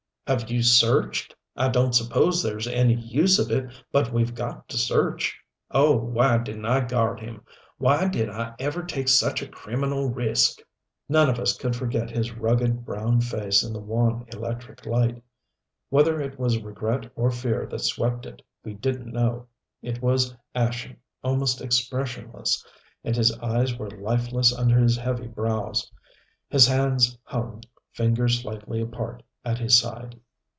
"Have you searched? I don't suppose there's any use of it, but we've got to search. Oh, why didn't I guard him why did I ever take such a criminal risk!" None of us could forget his rugged, brown face in the wan electric light. Whether it was regret or fear that swept it we didn't know. It was ashen, almost expressionless, and his eyes were lifeless under his heavy brows. His hands hung, fingers slightly apart, at his side.